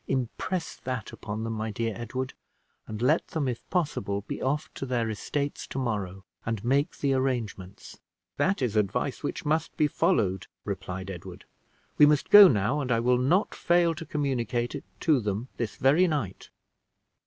Impress that upon them, my dear Edward, and let them, if possible, be off to their estates to morrow and make the arrangements." "That is advice which must be followed," replied Edward. "We must go now, and I will not fail to communicate it to them this very night."